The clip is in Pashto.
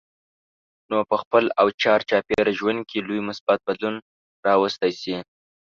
نو په خپل او چار چاپېره ژوند کې لوی مثبت بدلون راوستی شئ.